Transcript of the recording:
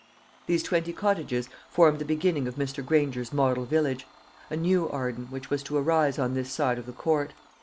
These twenty cottages formed the beginning of Mr. Granger's model village a new Arden, which was to arise on this side of the Court.